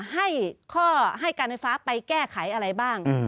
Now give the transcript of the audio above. ให้ข้อให้การไฟฟ้าไปแก้ไขอะไรบ้าง